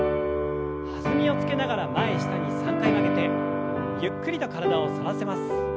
弾みをつけながら前下に３回曲げてゆっくりと体を反らせます。